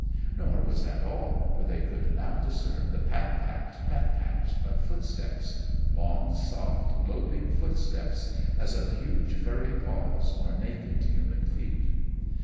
Nor was that all, for they could now discern the pat pat, pat pat of footsteps long, soft, loping footsteps, as of huge furry paws or naked human feet.